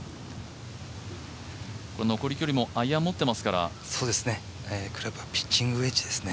残り距離もアイアン持ってますからクラブはピッチングウェッジですね。